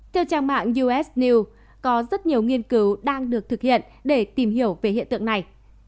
theo trang mạng us news có rất nhiều nghiên cứu đang được thực hiện để tìm hiểu về hiện tượng này